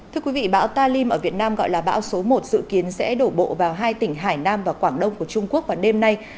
thưa quý vị bão talim ở việt nam gọi là bão số một dự kiến sẽ đổ bộ vào hai tỉnh hải nam và quảng đông của trung quốc vào đêm nay